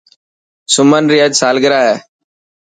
سمن ري اڄ سالگرا هي.